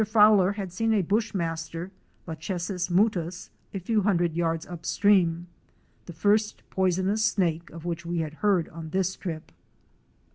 Fowler had seen a Bush master (Lachesis mutus) a few hundred yards upstream, the first poisonous snake of which we had heard on this trip.